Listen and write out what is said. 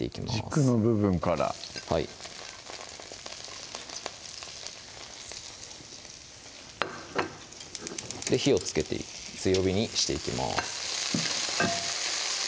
軸の部分からはい火をつけて強火にしていきます